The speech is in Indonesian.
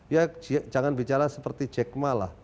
ya jangan bicara seperti jack ma lah